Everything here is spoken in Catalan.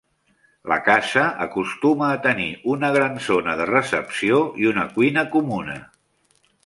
La casa acostuma a tenir una gran zona de recepció i una cuina comuna.